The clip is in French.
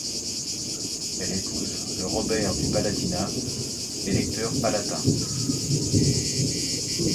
Elle épouse le Robert du Palatinat, électeur palatin.